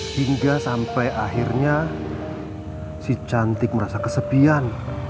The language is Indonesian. hingga sampai akhirnya si cantik merasa kesepian